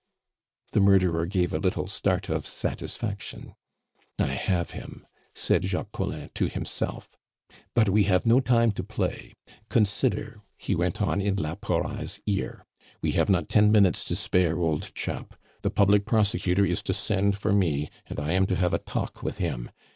The murderer gave a little start of satisfaction. "I have him!" said Jacques Collin to himself. "But we have no time to play. Consider," he went on in la Pouraille's ear, "we have not ten minutes to spare, old chap; the public prosecutor is to send for me, and I am to have a talk with him.